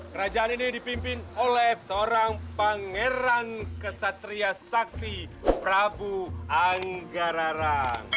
kerajaan ini dipimpin oleh seorang pangeran kesatria sakti prabu anggarara